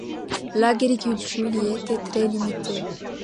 L'agriculture y était très limitée.